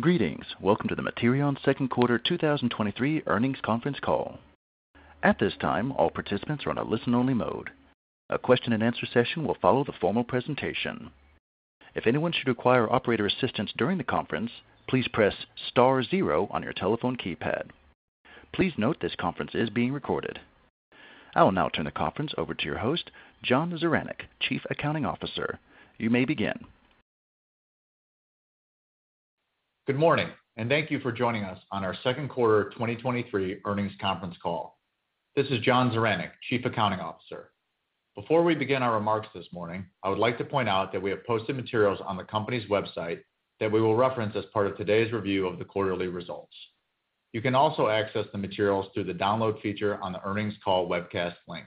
Greetings! Welcome to the Materion Second Quarter 2023 Earnings Conference Call. At this time, all participants are on a listen-only mode. A question-and-answer session will follow the formal presentation. If anyone should require operator assistance during the conference, please press star zero on your telephone keypad. Please note, this conference is being recorded. I will now turn the conference over to your host, John Zaranec, Chief Accounting Officer. You may begin. Good morning, and thank you for joining us on our Second Quarter 2023 Earnings Conference Call. This is John Zaranec, Chief Accounting Officer. Before we begin our remarks this morning, I would like to point out that we have posted materials on the company's website that we will reference as part of today's review of the quarterly results. You can also access the materials through the download feature on the earnings call webcast link.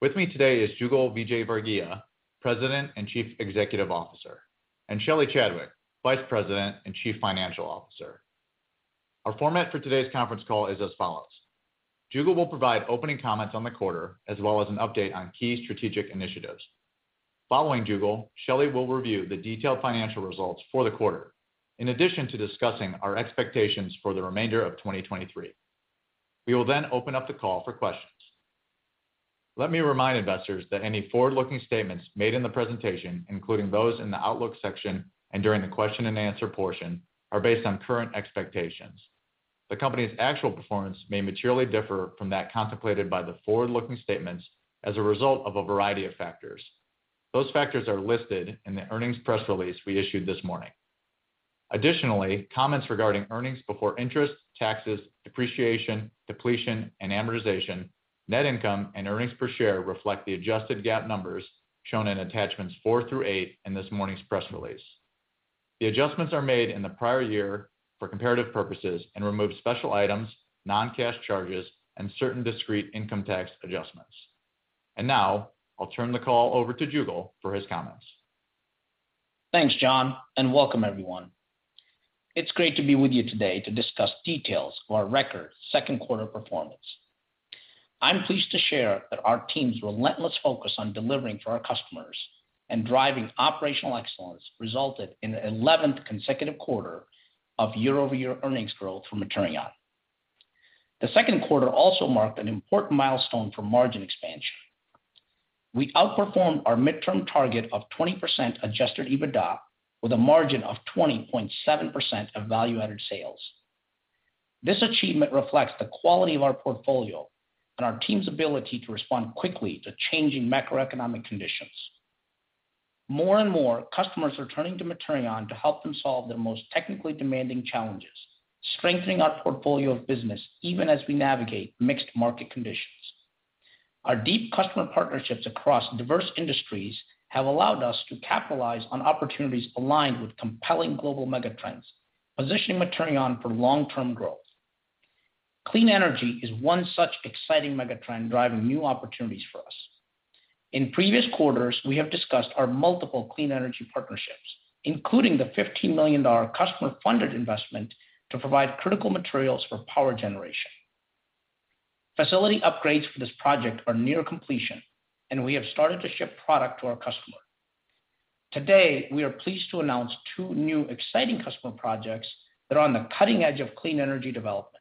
With me today is Jugal Vijayvargiya, President and Chief Executive Officer, and Shelly Chadwick, Vice President and Chief Financial Officer. Our format for today's conference call is as follows: Jugal will provide opening comments on the quarter, as well as an update on key strategic initiatives. Following Jugal, Shelley will review the detailed financial results for the quarter, in addition to discussing our expectations for the remainder of 2023. We will then open up the call for questions. Let me remind investors that any forward-looking statements made in the presentation, including those in the outlook section and during the question-and-answer portion, are based on current expectations. The company's actual performance may materially differ from that contemplated by the forward-looking statements as a result of a variety of factors. Those factors are listed in the earnings press release we issued this morning. Additionally, comments regarding earnings before interest, taxes, depreciation, depletion, and amortization, net income, and earnings per share reflect the adjusted GAAP numbers shown in attachments four through eight in this morning's press release. The adjustments are made in the prior year for comparative purposes and remove special items, non-cash charges, and certain discrete income tax adjustments. Now, I'll turn the call over to Jugal for his comments. Thanks, John. Welcome everyone. It's great to be with you today to discuss details for our record second quarter performance. I'm pleased to share that our team's relentless focus on delivering for our customers and driving operational excellence resulted in the 11th consecutive quarter of year-over-year earnings growth for Materion. The second quarter also marked an important milestone for margin expansion. We outperformed our midterm target of 20% Adjusted EBITDA with a margin of 20.7% of Value-Added Sales. This achievement reflects the quality of our portfolio and our team's ability to respond quickly to changing macroeconomic conditions. More and more, customers are turning to Materion to help them solve their most technically demanding challenges, strengthening our portfolio of business even as we navigate mixed market conditions. Our deep customer partnerships across diverse industries have allowed us to capitalize on opportunities aligned with compelling global megatrends, positioning Materion for long-term growth. Clean energy is one such exciting megatrend, driving new opportunities for us. In previous quarters, we have discussed our multiple clean energy partnerships, including the $50 million customer-funded investment to provide critical materials for power generation. Facility upgrades for this project are near completion. We have started to ship product to our customer. Today, we are pleased to announce two new exciting customer projects that are on the cutting edge of clean energy development.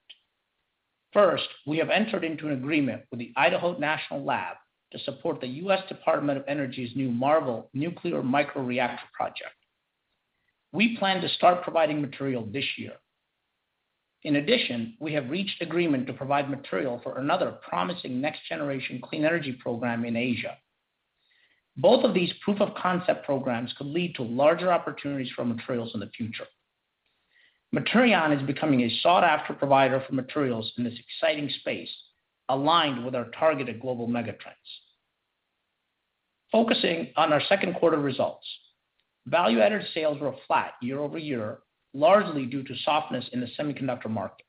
First, we have entered into an agreement with the Idaho National Laboratory to support the U.S. Department of Energy's new MARVEL nuclear microreactor project. We plan to start providing material this year. In addition, we have reached agreement to provide material for another promising next-generation clean energy program in Asia. Both of these proof-of-concept programs could lead to larger opportunities for materials in the future. Materion is becoming a sought-after provider for materials in this exciting space, aligned with our targeted global megatrends. Focusing on our second quarter results, value-added sales were flat year-over-year, largely due to softness in the semiconductor market.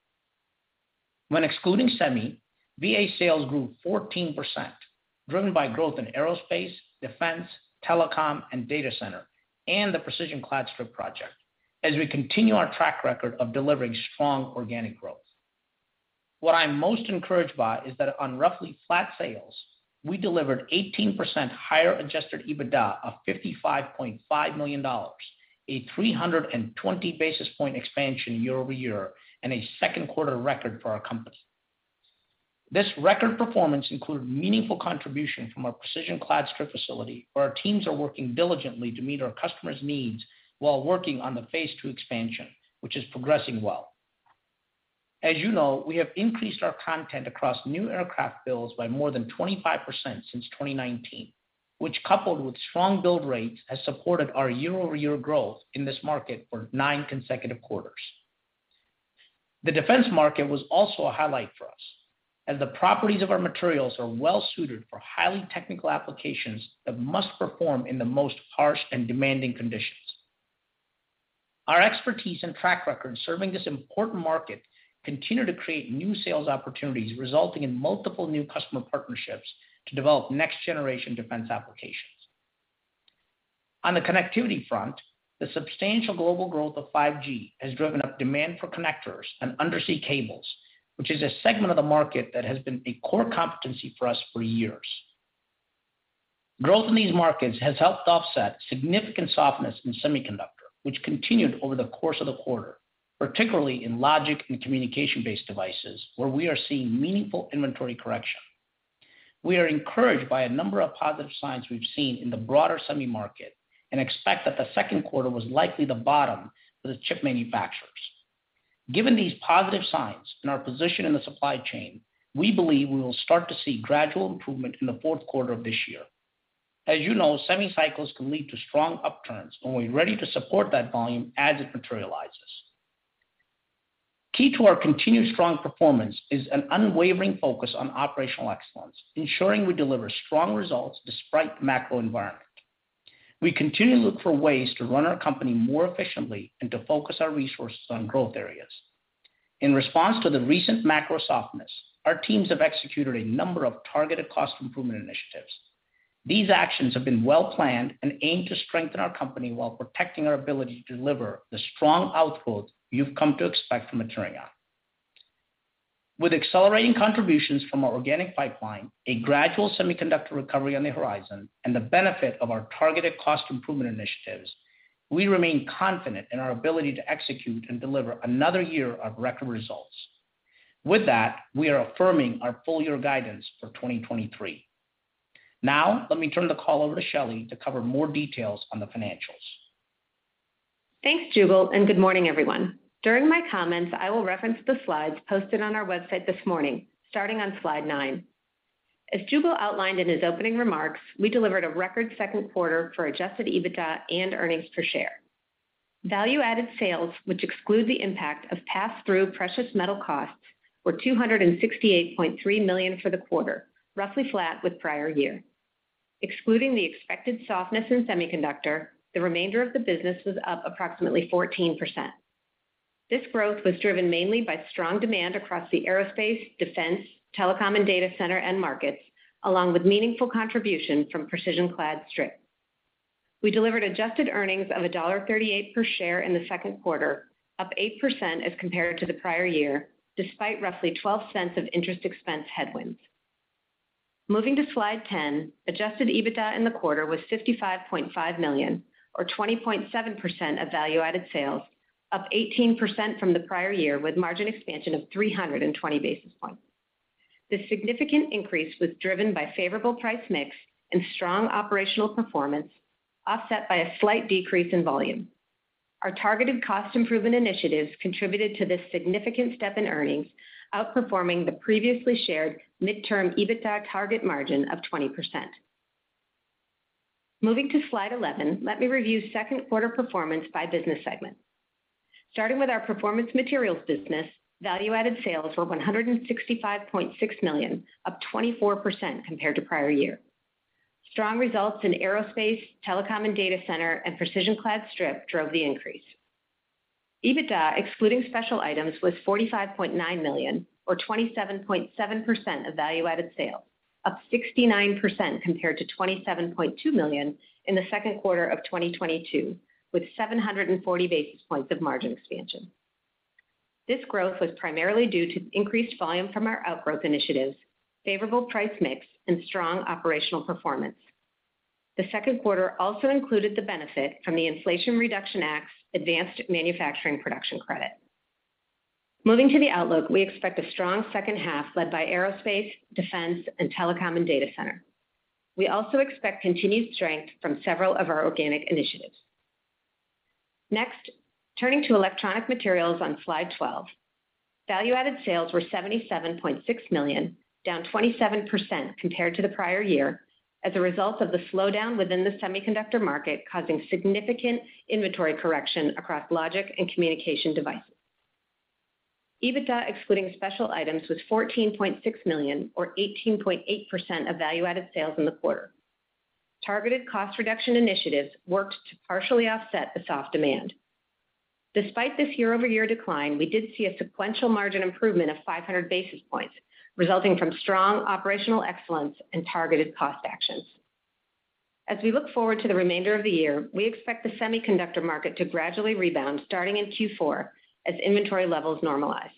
When excluding semi, VA sales grew 14%, driven by growth in aerospace, defense, telecom, and data center, and the Precision Clad Strip project as we continue our track record of delivering strong organic growth. What I'm most encouraged by is that on roughly flat sales, we delivered 18% higher Adjusted EBITDA of $55.5 million, a 320 basis point expansion year-over-year and a second quarter record for our company. This record performance included meaningful contribution from our Precision Clad Strip facility, where our teams are working diligently to meet our customers' needs while working on the phase two expansion, which is progressing well. As you know, we have increased our content across new aircraft builds by more than 25% since 2019, which, coupled with strong build rates, has supported our year-over-year growth in this market for nine consecutive quarters. The defense market was also a highlight for us, as the properties of our materials are well suited for highly technical applications that must perform in the most harsh and demanding conditions. Our expertise and track record serving this important market continue to create new sales opportunities, resulting in multiple new customer partnerships to develop next-generation defense applications. On the connectivity front, the substantial global growth of 5G has driven up demand for connectors and undersea cables, which is a segment of the market that has been a core competency for us for years. Growth in these markets has helped offset significant softness in semiconductor, which continued over the course of the quarter, particularly in logic and communication-based devices, where we are seeing meaningful inventory correction. We are encouraged by a number of positive signs we've seen in the broader semi market, and expect that the second quarter was likely the bottom for the chip manufacturers. Given these positive signs and our position in the supply chain, we believe we will start to see gradual improvement in the fourth quarter of this year. As you know, semi cycles can lead to strong upturns, and we're ready to support that volume as it materializes. Key to our continued strong performance is an unwavering focus on operational excellence, ensuring we deliver strong results despite the macro environment. We continue to look for ways to run our company more efficiently and to focus our resources on growth areas. In response to the recent macro softness, our teams have executed a number of targeted cost improvement initiatives. These actions have been well planned and aim to strengthen our company while protecting our ability to deliver the strong output you've come to expect from Materion. With accelerating contributions from our organic pipeline, a gradual semiconductor recovery on the horizon, and the benefit of our targeted cost improvement initiatives, we remain confident in our ability to execute and deliver another year of record results. With that, we are affirming our full year guidance for 2023. Now, let me turn the call over to Shelley to cover more details on the financials. Thanks, Jugal. Good morning, everyone. During my comments, I will reference the slides posted on our website this morning, starting on slide nine. As Jugal outlined in his opening remarks, we delivered a record second quarter for Adjusted EBITDA and earnings per share. Value-added sales, which exclude the impact of pass-through precious metal costs, were $268.3 million for the quarter, roughly flat with prior year. Excluding the expected softness in semiconductor, the remainder of the business was up approximately 14%. This growth was driven mainly by strong demand across the aerospace, defense, telecom, and data center end markets, along with meaningful contribution from Precision Clad Strip. We delivered adjusted earnings of $1.38 per share in the second quarter, up 8% as compared to the prior year, despite roughly $0.12 of interest expense headwinds. Moving to Slide 10, Adjusted EBITDA in the quarter was $55.5 million, or 20.7% of Value-Added Sales, up 18% from the prior year, with margin expansion of 320 basis points. This significant increase was driven by favorable price mix and strong operational performance, offset by a slight decrease in volume. Our targeted cost improvement initiatives contributed to this significant step in earnings, outperforming the previously shared midterm EBITDA target margin of 20%. Moving to Slide 11, let me review second quarter performance by business segment. Starting with our Performance Materials business, Value-Added Sales were $165.6 million, up 24% compared to prior year. Strong results in aerospace, telecom and data center, and precision clad strip drove the increase. EBITDA, excluding special items, was $45.9 million, or 27.7% of Value-Added Sales, up 69% compared to $27.2 million in the 2Q 2022, with 740 basis points of margin expansion. This growth was primarily due to increased volume from our outgrowth initiatives, favorable price mix, and strong operational performance. The second quarter also included the benefit from the Inflation Reduction Act's Advanced Manufacturing Production Credit. Moving to the outlook, we expect a strong second half, led by aerospace, defense, and telecom, and data center. We also expect continued strength from several of our organic initiatives. Next, turning to Electronic Materials on Slide 12. Value-Added Sales were $77.6 million, down 27% compared to the prior year, as a result of the slowdown within the semiconductor market, causing significant inventory correction across logic and communication devices. EBITDA, excluding special items, was $14.6 million, or 18.8% of Value-Added Sales in the quarter. Targeted cost reduction initiatives worked to partially offset the soft demand. Despite this year-over-year decline, we did see a sequential margin improvement of 500 basis points, resulting from strong operational excellence and targeted cost actions. As we look forward to the remainder of the year, we expect the semiconductor market to gradually rebound starting in Q4 as inventory levels normalize.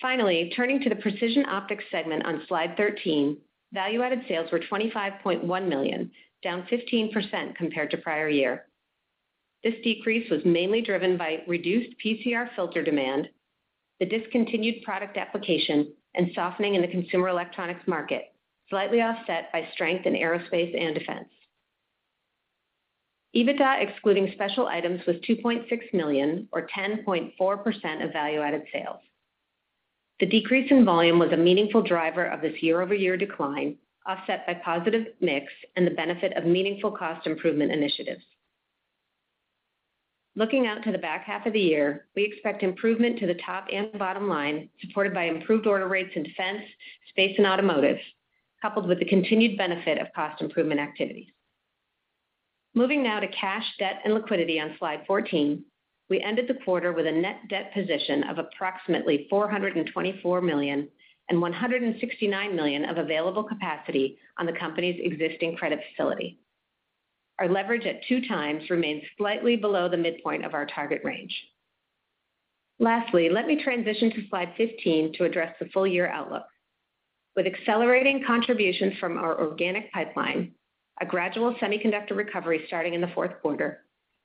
Finally, turning to the Precision Optics segment on Slide 13, Value-Added Sales were $25.1 million, down 15% compared to prior year. This decrease was mainly driven by reduced PCR filter demand, the discontinued product application, and softening in the consumer electronics market, slightly offset by strength in aerospace and defense. EBITDA, excluding special items, was $2.6 million, or 10.4% of Value-Added Sales. The decrease in volume was a meaningful driver of this year-over-year decline, offset by positive mix and the benefit of meaningful cost improvement initiatives. Looking out to the back half of the year, we expect improvement to the top and the bottom line, supported by improved order rates in defense, space, and automotive, coupled with the continued benefit of cost improvement activities. Moving now to cash, debt, and liquidity on Slide 14. We ended the quarter with a net debt position of approximately $424 million and $169 million of available capacity on the company's existing credit facility. Our leverage at 2x remains slightly below the midpoint of our target range. Lastly, let me transition to Slide 15 to address the full year outlook. With accelerating contribution from our organic pipeline, a gradual semiconductor recovery starting in the fourth quarter,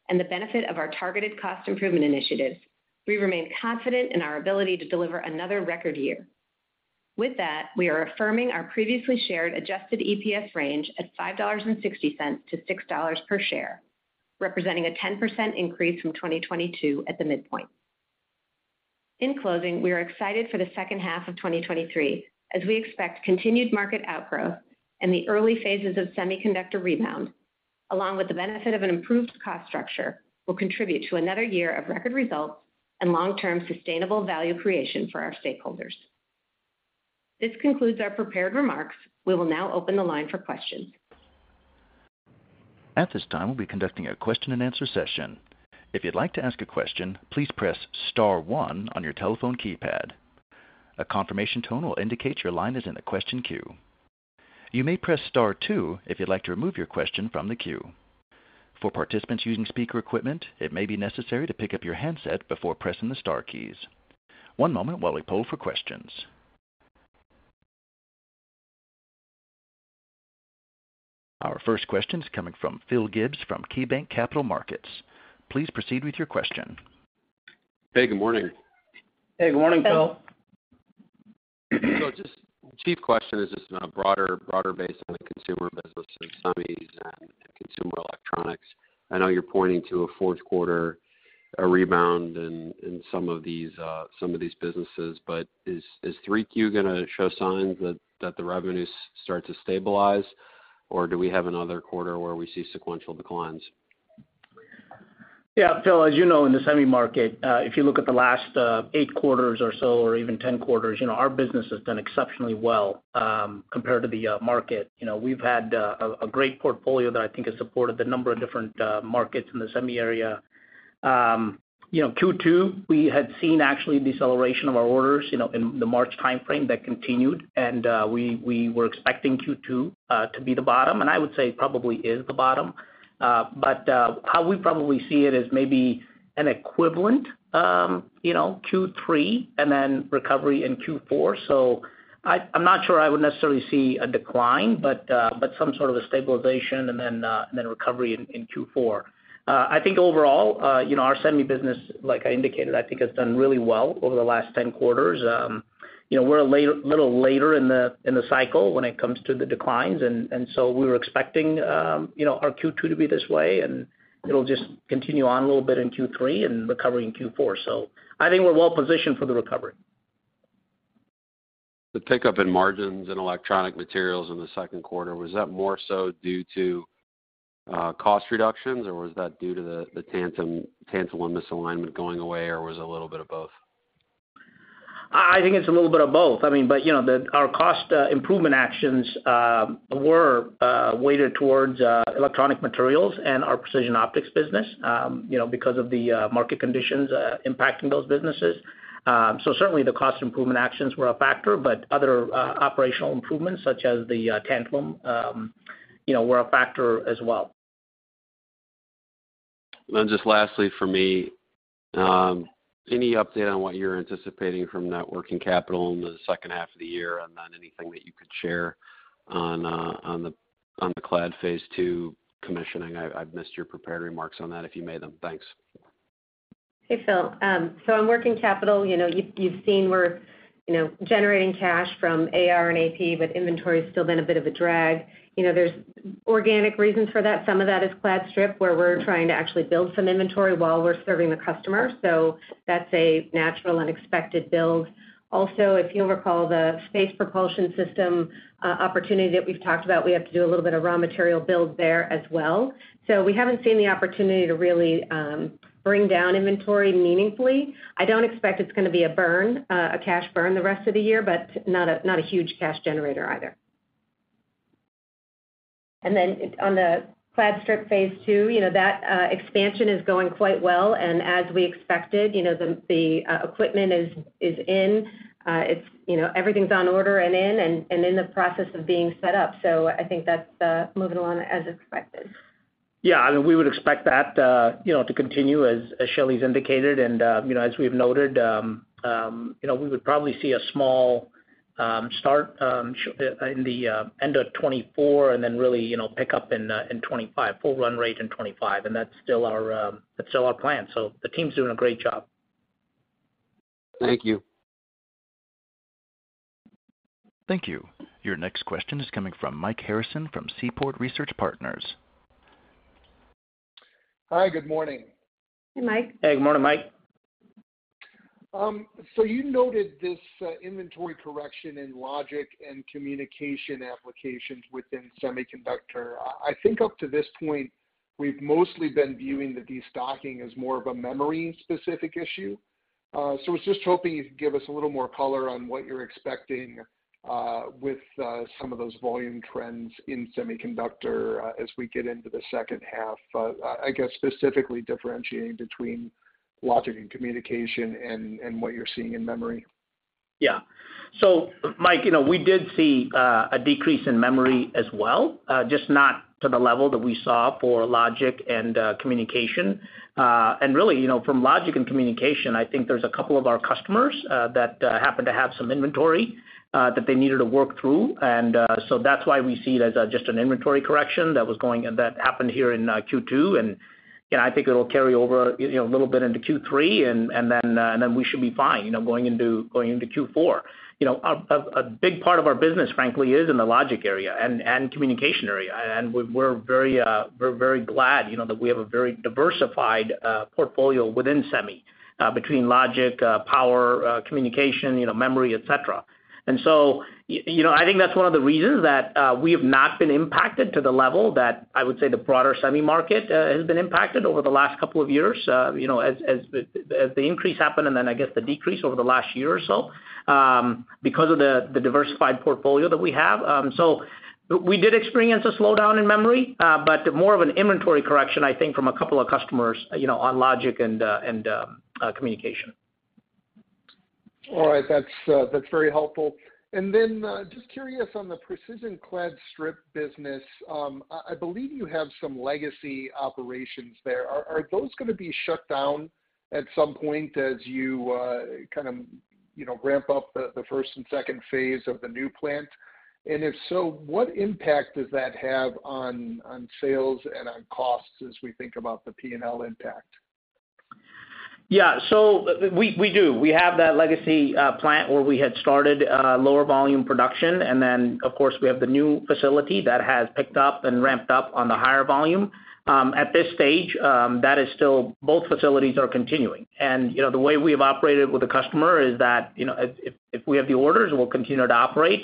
and the benefit of our targeted cost improvement initiatives, we remain confident in our ability to deliver another record year. With that, we are affirming our previously shared adjusted EPS range at $5.60-$6 per share, representing a 10% increase from 2022 at the midpoint. In closing, we are excited for the second half of 2023, as we expect continued market outgrowth and the early phases of semiconductor rebound, along with the benefit of an improved cost structure, will contribute to another year of record results and long-term sustainable value creation for our stakeholders. This concludes our prepared remarks. We will now open the line for questions. At this time, we'll be conducting a question-and-answer session. If you'd like to ask a question, please press star one on your telephone keypad. A confirmation tone will indicate your line is in the question queue. You may press star two if you'd like to remove your question from the queue. For participants using speaker equipment, it may be necessary to pick up your handset before pressing the star keys. One moment while we poll for questions. Our first question is coming from Philip Gibbs from KeyBanc Capital Markets. Please proceed with your question. Hey, good morning. Hey, good morning, Phil. Hello. Just chief question is just on a broader, broader base on the consumer business and semis and consumer electronics. I know you're pointing to a fourth quarter, a rebound in, in some of these, some of these businesses, but is 3Q going to show signs that the revenues start to stabilize, or do we have another quarter where we see sequential declines? Yeah, Phil, as you know, in the semi market, if you look at the last eight quarters or so, or even 10 quarters, you know, our business has done exceptionally well, compared to the market. You know, we've had a great portfolio that I think has supported the number of different markets in the semi area. You know, Q2, we had seen actually deceleration of our orders, you know, in the March timeframe that continued. We were expecting Q2 to be the bottom, and I would say probably is the bottom. How we probably see it is maybe an equivalent, you know, Q3 and then recovery in Q4. I, I'm not sure I would necessarily see a decline, but some sort of a stabilization and then recovery in Q4. I think overall, you know, our semi business, like I indicated, I think, has done really well over the last 10 quarters. You know, we're a little later in the cycle when it comes to the declines, and so we were expecting, you know, our Q2 to be this way, and it'll just continue on a little bit in Q3 and recover in Q4. I think we're well positioned for the recovery. The pickup in margins and Electronic Materials in the second quarter, was that more so due to cost reductions, or was that due to the tantalum misalignment going away, or was it a little bit of both? I think it's a little bit of both. I mean, you know, the our cost improvement actions were weighted towards Electronic Materials and our Precision Optics business, you know, because of the market conditions impacting those businesses. Certainly, the cost improvement actions were a factor, but other operational improvements, such as the tantalum, you know, were a factor as well. Just lastly for me, any update on what you're anticipating from net working capital in the second half of the year, and then anything that you could share on the, on the clad phase 2 commissioning? I, I've missed your prepared remarks on that, if you made them. Thanks. Hey, Phil. On working capital, you know, you've, you've seen we're, you know, generating cash from ARR and AP, but inventory's still been a bit of a drag. You know, there's organic reasons for that. Some of that is clad strip, where we're trying to actually build some inventory while we're serving the customer. That's a natural and expected build. If you'll recall, the space propulsion system opportunity that we've talked about, we have to do a little bit of raw material build there as well. We haven't seen the opportunity to really bring down inventory meaningfully. I don't expect it's going to be a burn, a cash burn the rest of the year, but not a, not a huge cash generator either. On the clad strip phase two, you know, that expansion is going quite well, and as we expected, you know, the, the equipment is, is in. It's, you know, everything's on order and in, and, and in the process of being set up. I think that's moving along as expected. Yeah, we would expect that, you know, to continue, as, as Shelley's indicated. You know, as we've noted, you know, we would probably see a small start in the end of 2024 and then really, you know, pick up in 2025, full run rate in 2025, and that's still our, that's still our plan. The team's doing a great job. Thank you. Thank you. Your next question is coming from Michael Harrison from Seaport Research Partners. Hi, good morning. Hey, Mike. Hey, good morning, Mike. You noted this inventory correction in logic and communication applications within semiconductor. I think up to this point, we've mostly been viewing the destocking as more of a memory-specific issue. I was just hoping you could give us a little more color on what you're expecting with some of those volume trends in semiconductor as we get into the second half. I, I guess, specifically differentiating between logic and communication and, and what you're seeing in memory. Mike, you know, we did see a decrease in memory as well, just not to the level that we saw for logic and communication. Really, you know, from logic and communication, I think there's a couple of our customers that happen to have some inventory that they needed to work through. So that's why we see it as just an inventory correction that happened here in Q2. Yeah, I think it'll carry over, you know, a little bit into Q3, and then, and then we should be fine, you know, going into, going into Q4. You know, a, a, a big part of our business, frankly, is in the logic area and, and communication area. We're very, we're very glad, you know, that we have a very diversified portfolio within semi, between logic, power, communication, you know, memory, et cetera. You know, I think that's one of the reasons that we have not been impacted to the level that I would say the broader semi market has been impacted over the last couple of years. You know, as, as the, as the increase happened, and then I guess, the decrease over the last year or so, because of the diversified portfolio that we have. We did experience a slowdown in memory, but more of an inventory correction, I think, from a couple of customers, you know, on logic and, and communication. All right. That's, that's very helpful. Then, just curious on the precision clad strip business, I, I believe you have some legacy operations there. Are, are those gonna be shut down at some point as you, kind of, you know, ramp up the, the first and second phase of the new plant? If so, what impact does that have on, on sales and on costs as we think about the P&L impact? Yeah. We, we do. We have that legacy plant where we had started lower volume production. Then, of course, we have the new facility that has picked up and ramped up on the higher volume. At this stage, that is still both facilities are continuing. You know, the way we've operated with the customer is that, you know, if, if, if we have the orders, we'll continue to operate.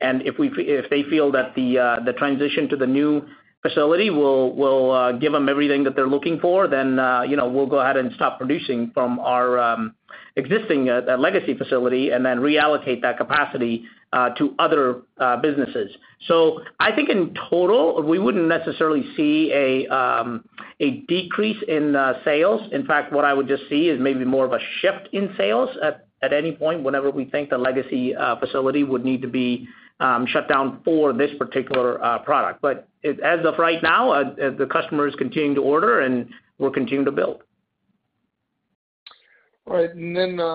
If we if they feel that the transition to the new facility will, will give them everything that they're looking for, then, you know, we'll go ahead and stop producing from our existing legacy facility and then reallocate that capacity to other businesses. I think in total, we wouldn't necessarily see a decrease in sales. In fact, what I would just see is maybe more of a shift in sales at, at any point, whenever we think the legacy facility would need to be shut down for this particular product. As of right now, the customers continue to order, and we'll continue to build. All right.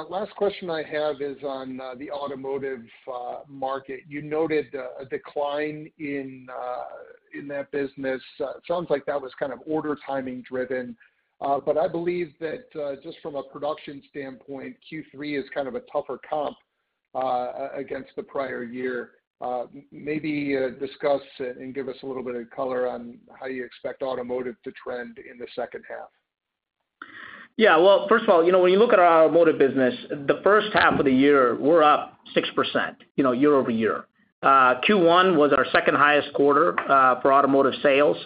Last question I have is on the automotive market. You noted a decline in that business. It sounds like that was kind of order timing driven. I believe that just from a production standpoint, Q3 is kind of a tougher comp against the prior year. Maybe discuss and give us a little bit of color on how you expect automotive to trend in the second half. Yeah. Well, first of all, you know, when you look at our automotive business, the first half of the year, we're up 6%, you know, year-over-year. Q1 was our second highest quarter for automotive sales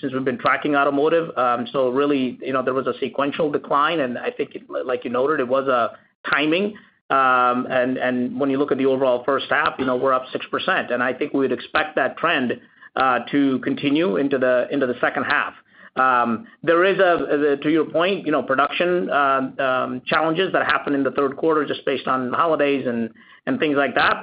since we've been tracking automotive. Really, you know, there was a sequential decline, and I think, like you noted, it was a timing. And when you look at the overall first half, you know, we're up 6%, and I think we'd expect that trend to continue into the second half. There is a, to your point, you know, production challenges that happen in the third quarter just based on holidays and, and things like that.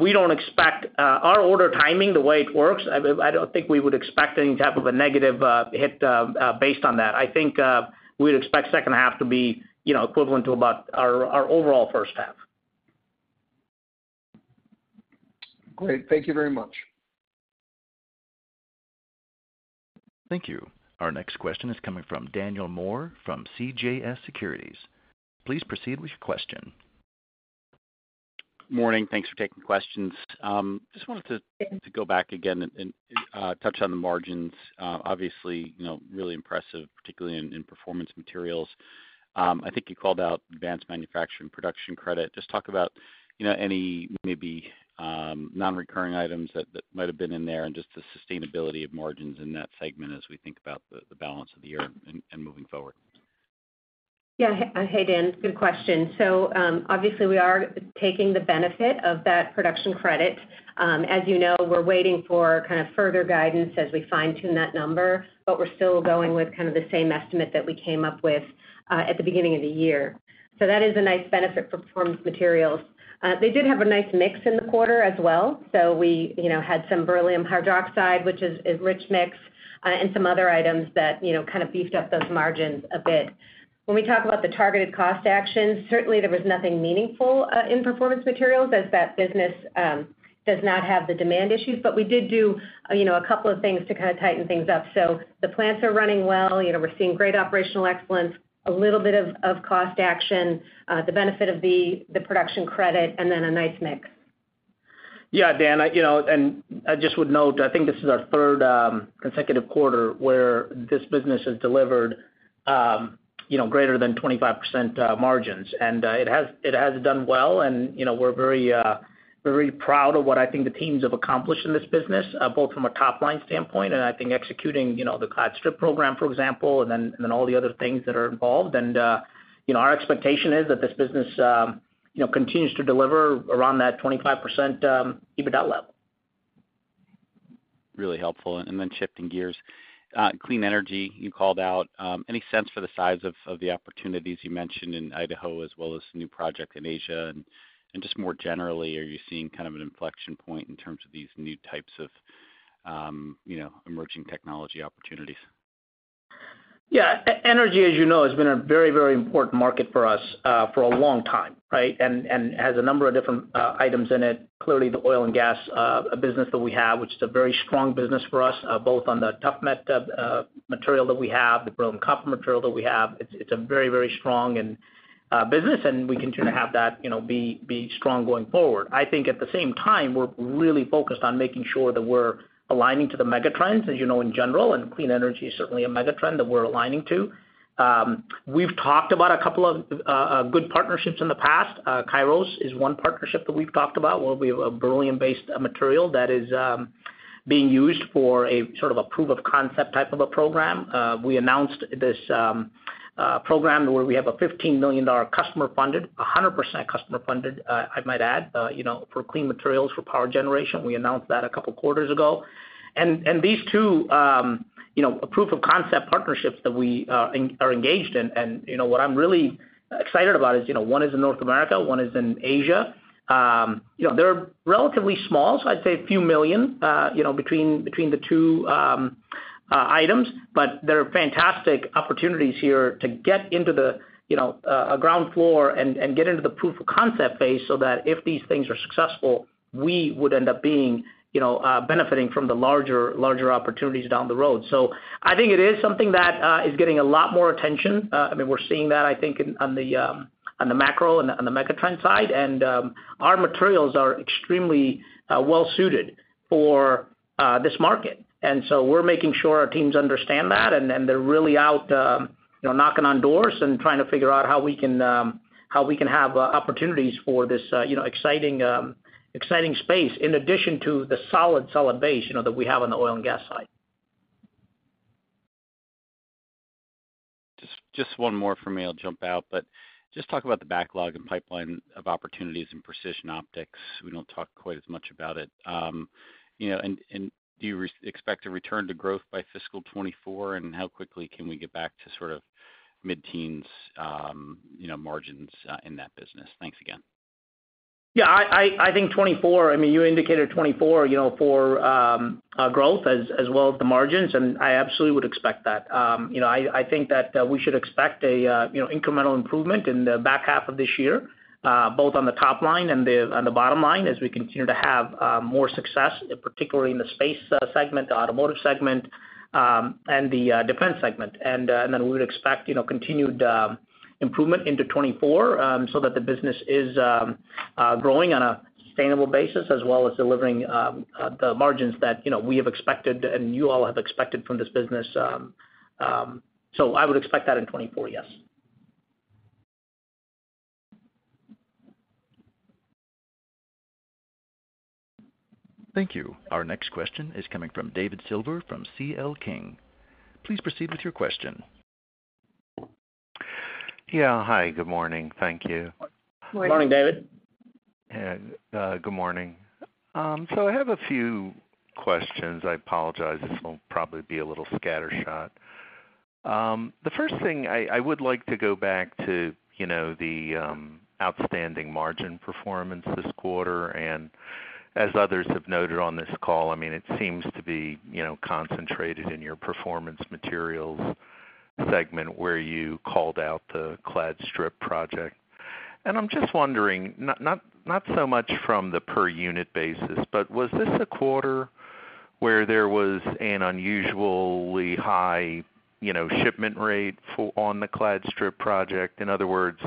We don't expect, our order timing, the way it works, I, I don't think we would expect any type of a negative hit based on that. I think, we'd expect second half to be, you know, equivalent to about our, our overall first half. Great. Thank you very much. Thank you. Our next question is coming from Daniel Moore from CJS Securities. Please proceed with your question. Morning. Thanks for taking questions. Just wanted to, to go back again and, and touch on the margins. Obviously, you know, really impressive, particularly in, in Performance Materials. I think you called out Advanced Manufacturing Production Credit. Just talk about, you know, any maybe non-recurring items that, that might have been in there and just the sustainability of margins in that segment as we think about the, the balance of the year and, and moving forward. Yeah. Hey, Dan, good question. obviously, we are taking the benefit of that Production Credit. As you know, we're waiting for kind of further guidance as we fine-tune that number, but we're still going with kind of the same estimate that we came up with at the beginning of the year. That is a nice benefit for Performance Materials. They did have a nice mix in the quarter as well. We, you know, had some beryllium hydroxide, which is a rich mix, and some other items that, you know, kind of beefed up those margins a bit. When we talk about the targeted cost actions, certainly there was nothing meaningful in Performance Materials, as that business does not have the demand issues. We did do, you know, a couple of things to kind of tighten things up. The plants are running well. You know, we're seeing great operational excellence, a little bit of, of cost action, the benefit of the Production Credit, and then a nice mix. Yeah, Dan, you know, I just would note, I think this is our third consecutive quarter, where this business has delivered, you know, greater than 25% margins. It has, it has done well, and, you know, we're very, very proud of what I think the teams have accomplished in this business, both from a top-line standpoint and I think executing, you know, the clad strip program, for example, and then, and then all the other things that are involved. Our expectation is that this business, you know, continues to deliver around that 25% EBITDA level. Really helpful. Then shifting gears, clean energy, you called out, any sense for the size of the opportunities you mentioned in Idaho as well as new project in Asia? Just more generally, are you seeing kind of an inflection point in terms of these new types of, you know, emerging technology opportunities? Yeah, e-energy, as you know, has been a very, very important market for us, for a long time, right. And has a number of different, items in it. Clearly, the oil and gas, business that we have, which is a very strong business for us, both on the ToughMet, material that we have, the beryllium copper material that we have. It's, it's a very, very strong and, business, and we continue to have that, you know, be, be strong going forward. I think at the same time, we're really focused on making sure that we're aligning to the mega trends, as you know, in general, and clean energy is certainly a mega trend that we're aligning to. We've talked about a couple of, good partnerships in the past. Kairos is one partnership that we've talked about, where we have a beryllium-based material that is being used for a sort of a proof of concept type of a program. We announced this program where we have a $15 million customer funded, 100% customer funded, I might add, you know, for clean materials for power generation. We announced that a couple of quarters ago. These two, you know, a proof of concept partnerships that we are engaged in. You know, what I'm really excited about is, you know, one is in North America, one is in Asia. You know, they're relatively small, so I'd say $ few million, you know, between the two items. There are fantastic opportunities here to get into the, you know, a ground floor and, and get into the proof of concept phase so that if these things are successful, we would end up being, you know, benefiting from the larger, larger opportunities down the road. I think it is something that is getting a lot more attention. I mean, we're seeing that, I think, in, on the, on the macro and on the mega trend side, and our materials are extremely well suited for this market. We're making sure our teams understand that, and then they're really out, you know, knocking on doors and trying to figure out how we can, how we can have opportunities for this, you know, exciting, exciting space, in addition to the solid, solid base, you know, that we have on the oil and gas side. Just, just one more for me, I'll jump out. Just talk about the backlog and pipeline of opportunities in Precision Optics. We don't talk quite as much about it. You know, and, and do you expect to return to growth by fiscal 2024? How quickly can we get back to sort of mid-teens, you know, margins, in that business? Thanks again. Yeah, I, I, I think 2024, I mean, you indicated 2024, you know, for growth as well as the margins. I absolutely would expect that. You know, I, I think that we should expect a, you know, incremental improvement in the back half of this year, both on the top line and the, and the bottom line, as we continue to have more success, particularly in the space segment, the automotive segment, and the defense segment. We would expect, you know, continued improvement into 2024, so that the business is growing on a sustainable basis, as well as delivering the margins that, you know, we have expected and you all have expected from this business. I would expect that in 2024, yes. Thank you. Our next question is coming from David Silver, from C.L. King. Please proceed with your question. Yeah. Hi, good morning. Thank you. Good morning, David. Good morning. So I have a few questions. I apologize, this will probably be a little scattershot. The first thing, I, I would like to go back to, you know, the outstanding margin performance this quarter. As others have noted on this call, I mean, it seems to be, you know, concentrated in your Performance Materials segment, where you called out the precision clad strip project. I'm just wondering, not, not, not so much from the per unit basis, but was this a quarter where there was an unusually high, you know, shipment rate on the precision clad strip project? In other words,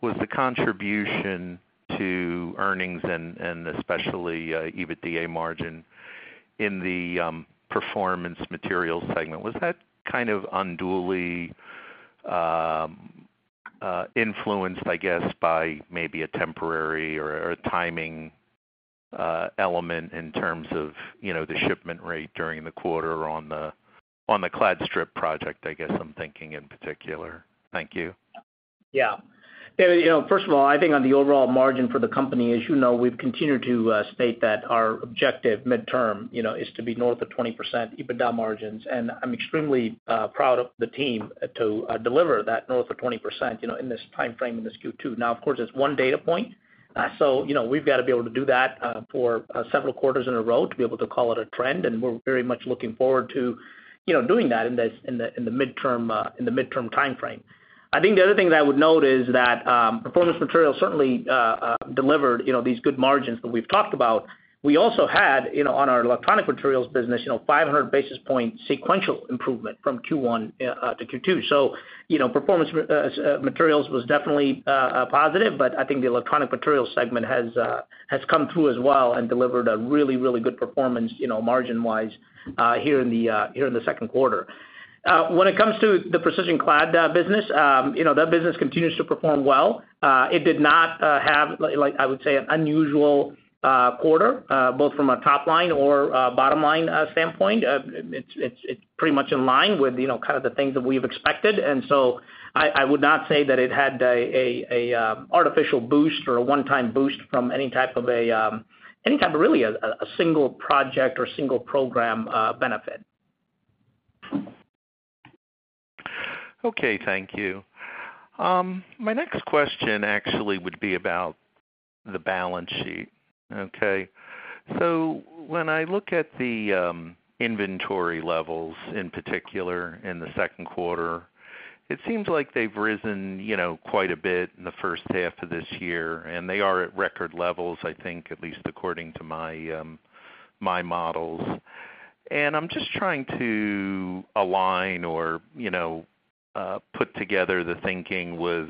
was the contribution to earnings and, and especially, EBITDA margin in the Performance Materials segment, was that kind of unduly influenced, I guess, by maybe a temporary or, or a timing element in terms of, you know, the shipment rate during the quarter on the, on the clad strip project, I guess I'm thinking in particular. Thank you. Yeah. David, you know, first of all, I think on the overall margin for the company, as you know, we've continued to state that our objective midterm, you know, is to be north of 20% EBITDA margins. I'm extremely proud of the team to deliver that north of 20%, you know, in this time frame, in this Q2. Now, of course, it's one data point, so you know, we've got to be able to do that for several quarters in a row to be able to call it a trend, we're very much looking forward to, you know, doing that in the midterm, in the midterm time frame. I think the other thing that I would note is that Performance Materials certainly delivered, you know, these good margins that we've talked about. We also had, you know, on our Electronic Materials business, you know, 500 basis point sequential improvement from Q1-Q2. You know, Performance Materials was definitely a positive, but I think the Electronic Materials segment has come through as well and delivered a really, really good performance, you know, margin-wise, here in the second quarter. When it comes to the precision clad business, you know, that business continues to perform well. It did not have like, like I would say, an unusual quarter, both from a top line or a bottom line standpoint. It's, it's, it's pretty much in line with, you know, kind of the things that we've expected. I, I would not say that it had a, a, a, artificial boost or a one-time boost from any type of a, any type of really a, a single project or single program, benefit. Okay, thank you. My next question actually would be about the balance sheet. Okay. When I look at the inventory levels, in particular in the second quarter, it seems like they've risen, you know, quite a bit in the first half of this year, and they are at record levels, I think, at least according to my models. I'm just trying to align or, you know, put together the thinking with,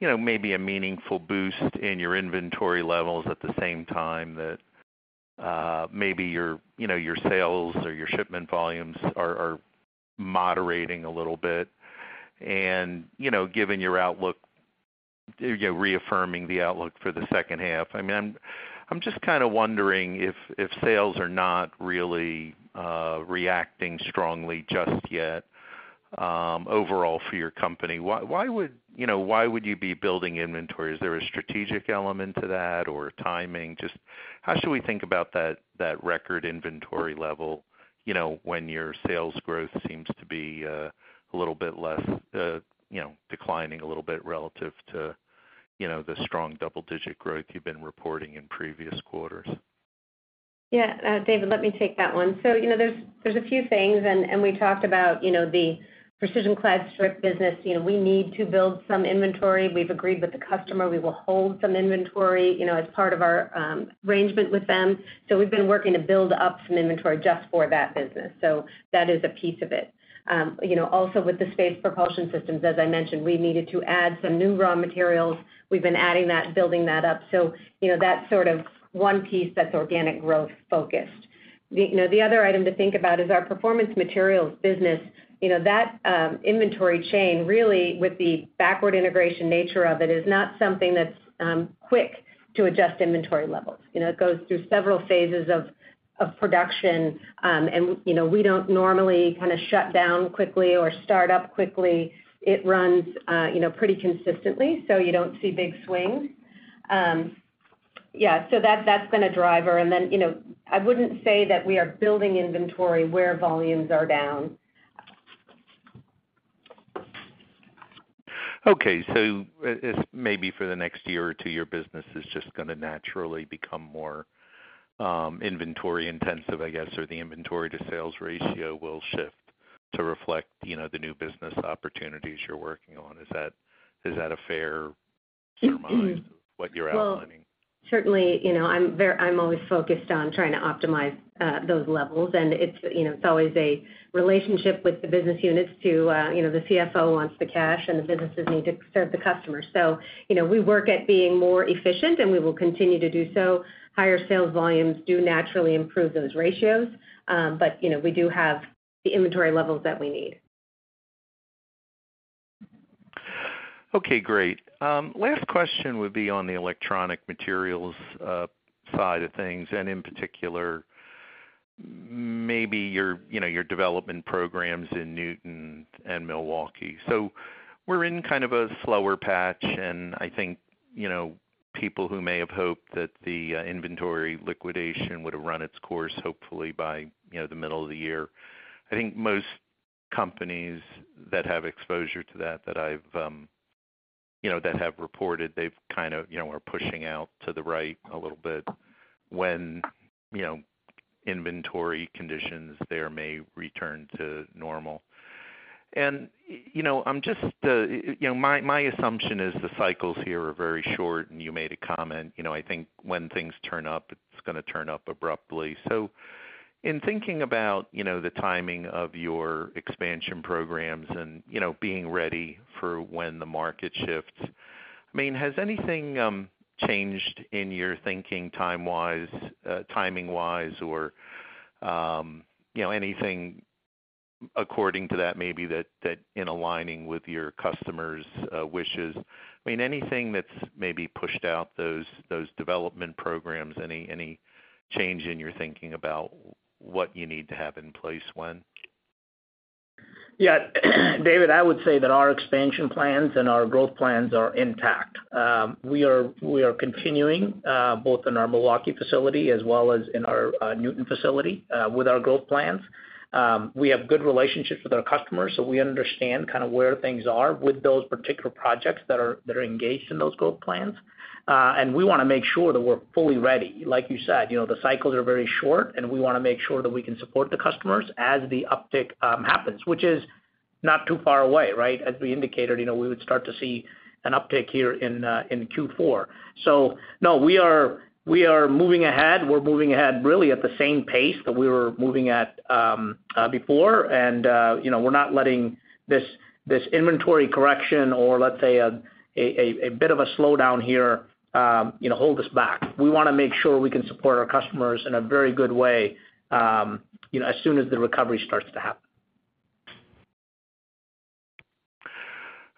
you know, maybe a meaningful boost in your inventory levels at the same time that maybe your, you know, your sales or your shipment volumes are, are moderating a little bit. You know, given your outlook, you're reaffirming the outlook for the second half. I mean, I'm, I'm just kind of wondering if, if sales are not really reacting strongly just yet, overall for your company, why, why would, you know, why would you be building inventory? Is there a strategic element to that or timing? Just how should we think about that, that record inventory level, you know, when your sales growth seems to be a little bit less, you know, declining a little bit relative to, you know, the strong double-digit growth you've been reporting in previous quarters? Yeah, David, let me take that one. You know, there's, there's a few things, and we talked about, you know, the precision clad strip business. You know, we need to build some inventory. We've agreed with the customer, we will hold some inventory, you know, as part of our arrangement with them. We've been working to build up some inventory just for that business. That is a piece of it. You know, also with the space propulsion systems, as I mentioned, we needed to add some new raw materials. We've been adding that, building that up. You know, that's sort of one piece that's organic growth focused. You know, the other item to think about is our Performance Materials business. You know, that inventory chain, really, with the backward integration nature of it, is not something that's quick to adjust inventory levels. You know, it goes through several phases of production. You know, we don't normally kind of shut down quickly or start up quickly. It runs, you know, pretty consistently, so you don't see big swings. Yeah, so that-that's been a driver. Then, you know, I wouldn't say that we are building inventory where volumes are down. Okay. It's maybe for the next year or two, your business is just gonna naturally become more inventory intensive, I guess, or the inventory to sales ratio will shift to reflect, you know, the new business opportunities you're working on. Is that, is that a fair surmise of what you're outlining? Well, certainly, you know, I'm always focused on trying to optimize those levels. It's, you know, it's always a relationship with the business units to, you know, the CFO wants the cash, and the businesses need to serve the customer. You know, we work at being more efficient, and we will continue to do so. Higher sales volumes do naturally improve those ratios. You know, we do have the inventory levels that we need. Okay, great. Last question would be on the Electronic Materials side of things, and in particular, maybe your, you know, your development programs in Newton and Milwaukee. We're in kind of a slower patch, and I think, you know, people who may have hoped that the inventory liquidation would have run its course, hopefully by, you know, the middle of the year. I think most companies that have exposure to that, that I've, you know, that have reported, they've kind of, you know, are pushing out to the right a little bit when, you know, inventory conditions there may return to normal. You know, I'm just, you know, my, my assumption is the cycles here are very short, and you made a comment, you know, I think when things turn up, it's gonna turn up abruptly. In thinking about, you know, the timing of your expansion programs and, you know, being ready for when the market shifts, I mean, has anything changed in your thinking time-wise, timing-wise, or, you know, anything according to that maybe that, that in aligning with your customers' wishes? I mean, anything that's maybe pushed out those, those development programs, any, any change in your thinking about what you need to have in place when? Yeah, David, I would say that our expansion plans and our growth plans are intact. We are, we are continuing, both in our Milwaukee facility as well as in our Newton facility, with our growth plans. We have good relationships with our customers, so we understand kind of where things are with those particular projects that are, that are engaged in those growth plans. We wanna make sure that we're fully ready. Like you said, you know, the cycles are very short, and we wanna make sure that we can support the customers as the uptick happens, which is not too far away, right? As we indicated, you know, we would start to see an uptick here in Q4. No, we are, we are moving ahead. We're moving ahead really at the same pace that we were moving at, before. You know, we're not letting this, this inventory correction or let's say, a bit of a slowdown here, you know, hold us back. We wanna make sure we can support our customers in a very good way, you know, as soon as the recovery starts to happen.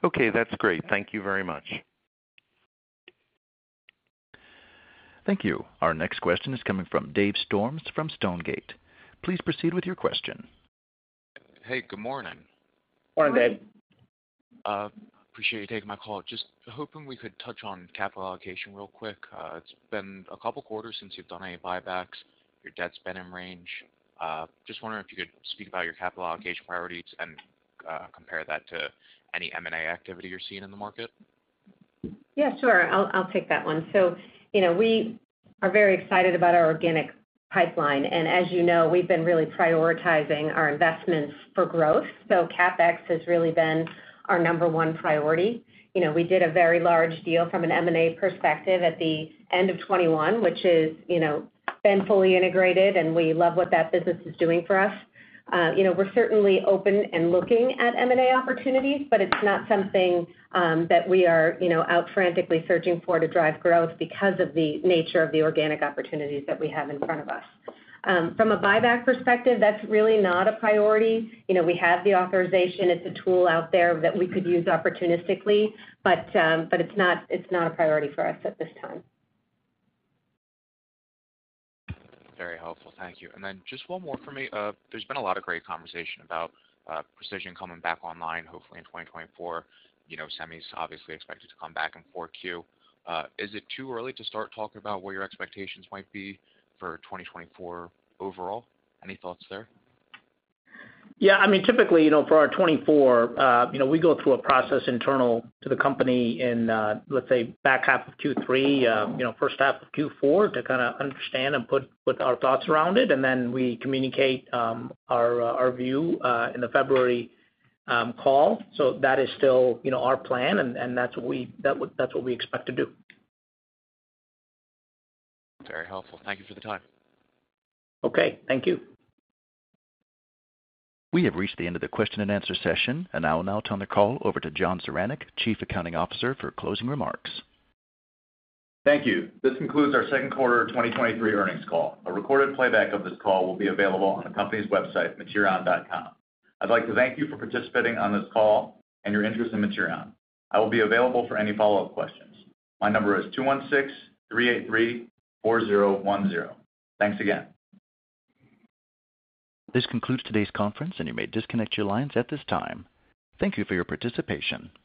Okay, that's great. Thank you very much. Thank you. Our next question is coming from Dave Storms from Stonegate. Please proceed with your question. Hey, good morning. Morning, Dave. Good morning. Appreciate you taking my call. Just hoping we could touch on capital allocation real quick. It's been a couple quarters since you've done any buybacks. Your debt's been in range. Just wondering if you could speak about your capital allocation priorities and compare that to any M&A activity you're seeing in the market? Yeah, sure. I'll, I'll take that one. You know, we are very excited about our organic pipeline, and as you know, we've been really prioritizing our investments for growth. CapEx has really been our number one priority. You know, we did a very large deal from an M&A perspective at the end of 2021, which is, you know, been fully integrated, and we love what that business is doing for us. You know, we're certainly open and looking at M&A opportunities, but it's not something that we are, you know, out frantically searching for to drive growth because of the nature of the organic opportunities that we have in front of us. From a buyback perspective, that's really not a priority. You know, we have the authorization. It's a tool out there that we could use opportunistically, but, but it's not, it's not a priority for us at this time. Very helpful. Thank you. Then just one more for me. There's been a lot of great conversation about Precision coming back online, hopefully in 2024. You know, semi's obviously expected to come back in 4Q. Is it too early to start talking about what your expectations might be for 2024 overall? Any thoughts there? Yeah, I mean, typically, you know, for our 2024, you know, we go through a process internal to the company in, let's say, back half of Q3, you know, first half of Q4, to kind of understand and put, put our thoughts around it, and then we communicate, our, our view, in the February, call. That is still, you know, our plan, and that's what we expect to do. Very helpful. Thank you for the time. Okay, thank you. We have reached the end of the question and answer session, and I will now turn the call over to John Zaranec, Chief Accounting Officer, for closing remarks. Thank you. This concludes our second quarter of 2023 earnings call. A recorded playback of this call will be available on the company's website, materion.com. I'd like to thank you for participating on this call and your interest in Materion. I will be available for any follow-up questions. My number is 2163834010. Thanks again. This concludes today's conference, and you may disconnect your lines at this time. Thank you for your participation.